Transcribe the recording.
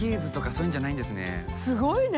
すごいね。